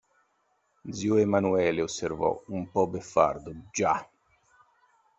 Zio Emanuele osservò, un po' beffardo: – Già!